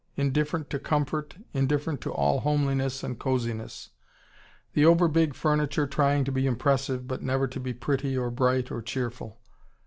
Indifferent to comfort, indifferent to all homeliness and cosiness. The over big furniture trying to be impressive, but never to be pretty or bright or cheerful.